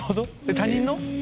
他人の？